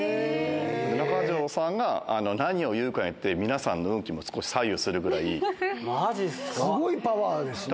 中条さんが何を言うかによって、皆さんの運気も少し左右するぐらまじっすか。